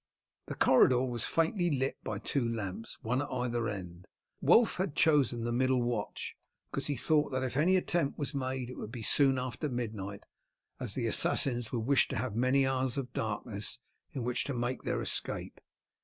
The corridor was faintly lit by two lamps, one at either end. Wulf had chosen the middle watch, because he thought that if any attempt was made it would be soon after midnight, as the assassins would wish to have many hours of darkness in which to make their escape.